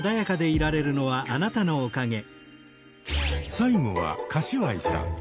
最後は柏井さん。